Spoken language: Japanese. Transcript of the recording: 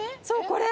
これ。